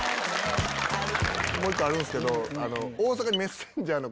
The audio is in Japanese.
もう一個あるんすけど。